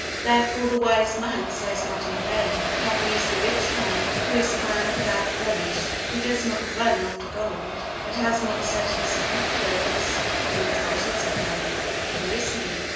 Therefore the Wise Man says not in vain: "Happy is the rich man, who is found without blemish, who does not run after gold, and has not set his confidence in the treasures of money. Who is he?